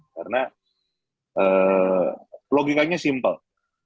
karena logikanya simple